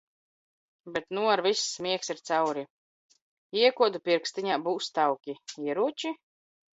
Bet nu ar viss miegs ir cauri! Iekod pirkstiņā, būs tauki. Ieroči?